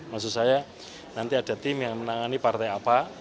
maksud saya nanti ada tim yang menangani partai apa